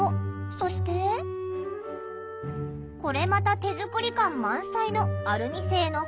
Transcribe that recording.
そしてこれまた手作り感満載のアルミ製のフレーム。